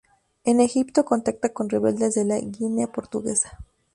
En Egipto contacta con rebeldes de la Guinea portuguesa.